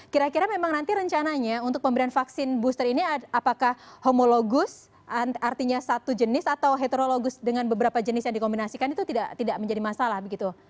kira kira memang nanti rencananya untuk pemberian vaksin booster ini apakah homologus artinya satu jenis atau heterologus dengan beberapa jenis yang dikombinasikan itu tidak menjadi masalah begitu